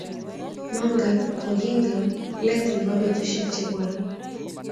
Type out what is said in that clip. Mongen kokiingen let nebo betusiek chebwonei